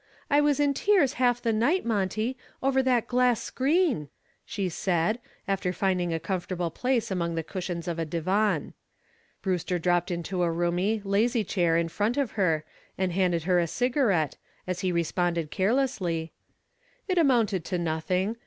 "I was in tears half the night, Monty, over that glass screen," she said, after finding a comfortable place among the cushions of a divan. Brewster dropped into a roomy, lazy chair in front of her and handed her a cigarette, as he responded carelessly: "It amounted to nothing.